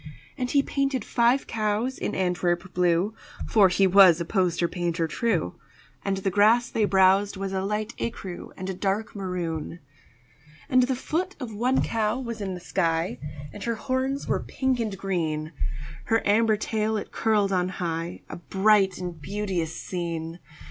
And he painted five cows in Antwerp blue (For he was a poster painter true), And the grass they browsed was a light écru And a dark maroon. And the foot of one cow was in the sky, And her horns were pink and green; Her amber tail it curled on high A bright and beauteous scene.